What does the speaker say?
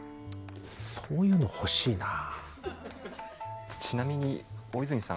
そういうの欲しいなあ。